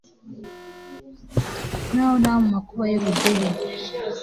n'aho naba mu makuba y'urudubi